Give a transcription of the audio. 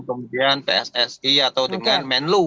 kemudian pssi atau dengan menlu